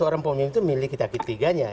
orang pohonjong itu miliki ketiganya